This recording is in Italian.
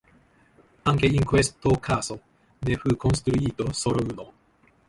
Anche in questo caso, ne fu costruito solo uno.